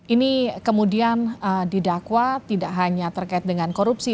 ini kemudian didakwa tidak hanya terkait dengan korupsi